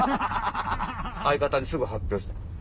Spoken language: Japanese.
相方にすぐ発表した。